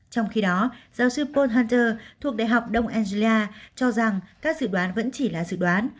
trong khi đó giáo sư paul hunter thuộc đại học đông anglia cho rằng các dự đoán vẫn chỉ là dự đoán